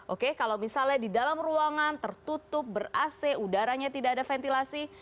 oke kalau misalnya di dalam ruangan tertutup ber ac udaranya tidak ada ventilasi